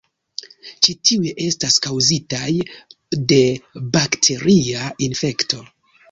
Ĉi tiuj estas kaŭzitaj de bakteria infekto.